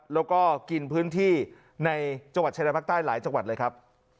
แล้วก็กินพื้นที่ในจังหวัดชายแดนภาคใต้หลายจังหวัดเลยครับ